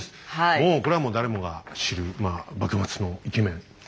もうこれはもう誰もが知るまあ幕末のイケメンね。